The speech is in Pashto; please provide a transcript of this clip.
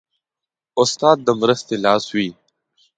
استاد د مرستې لاس وي.